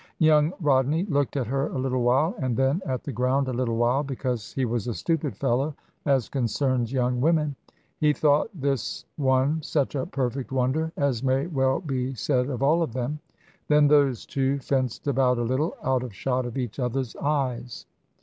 Young Rodney looked at her a little while, and then at the ground a little while; because he was a stupid fellow as concerns young women. He thought this one such a perfect wonder, as may well be said of all of them. Then those two fenced about a little, out of shot of each other's eyes.